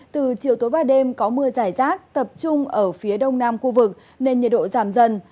từ chiều tối và đêm có mưa giải rác tập trung ở phía đông nam khu vực nên nhiệt độ giảm dần